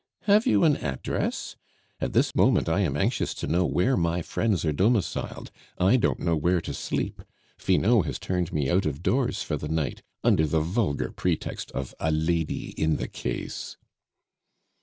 Have you an address? At this moment I am anxious to know where my friends are domiciled; I don't know where to sleep. Finot has turned me out of doors for the night, under the vulgar pretext of 'a lady in the case.